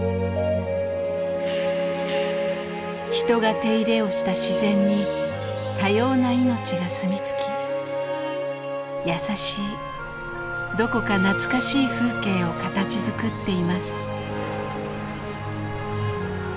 人が手入れをした自然に多様な命が住みつき優しいどこか懐かしい風景を形づくっています。